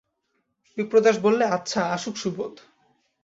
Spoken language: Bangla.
বিপ্রদাস বললে, আচ্ছা, আসুক সুবোধ।